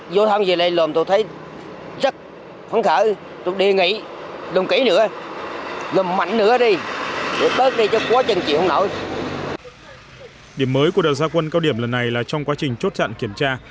điểm mới của đợt gia quân cao điểm lần này là trong quá trình chốt chặn kiểm tra